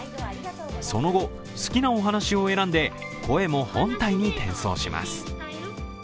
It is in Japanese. その後、好きなお話を選んでｃｏｅｍｏ本体に転送します。